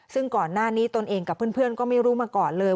ซึ่งก่อนหน้านี้ตนเองกับเพื่อนก็ไม่รู้มาก่อนเลย